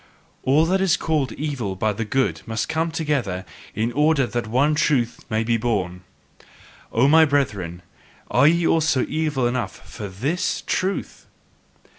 All that is called evil by the good, must come together in order that one truth may be born. O my brethren, are ye also evil enough for THIS truth?